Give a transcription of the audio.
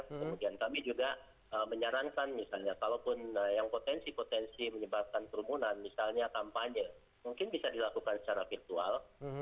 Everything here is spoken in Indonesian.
kemudian kami juga menyarankan misalnya kalaupun yang potensi potensi menyebabkan kerumunan misalnya kampanye mungkin bisa dilakukan secara virtual